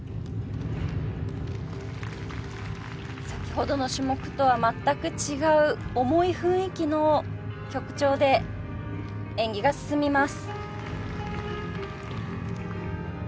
先ほどの種目とは全く違う重い雰囲気の曲調で演技が進みます。